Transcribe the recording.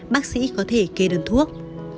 bác sĩ có thể kê đơn thuốc